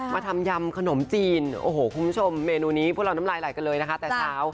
มาทำยำขนมจีนคุณผู้ชมเมนูนี้พวกเราน้ำลายหลายกันเลยนะคะ